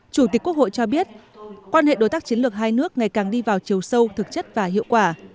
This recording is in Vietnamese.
chủ tịch quốc hội cho biết quan hệ đối tác chiến lược hai nước ngày càng đi vào chiều sâu thực chất và hiệu quả